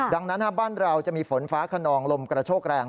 ดังนั้นบ้านเราจะมีฝนฟ้าขนองลมกระโชกแรง